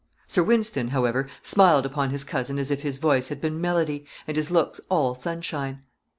Sir Wynston, however, smiled upon his cousin as if his voice had been melody, and his looks all sunshine.